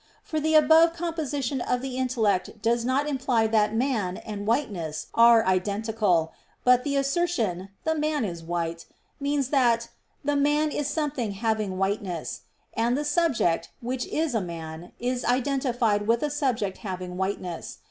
For the above composition of the intellect does not imply that "man" and "whiteness" are identical, but the assertion, "the man is white," means that "the man is something having whiteness": and the subject, which is a man, is identified with a subject having whiteness.